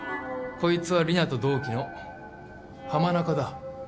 こいつは里奈と同期の浜中だ。